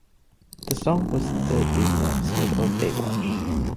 The song was instead used in an episode of "Baywatch".